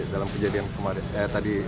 dalam kejadian kemarin